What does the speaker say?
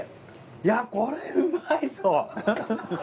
いやこれうまいぞ！